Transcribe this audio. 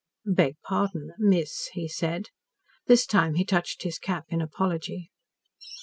"Beg pardon miss," he said. This time he touched his cap in apology.